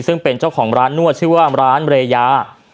ซึ่งเป็นเจ้าของร้านนวดชื่อว่าร้านเรยา